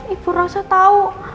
ibu rosa tau